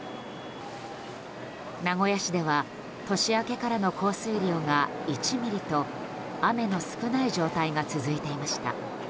名古屋市では年明けからの降水量が１ミリと雨の少ない状態が続いていました。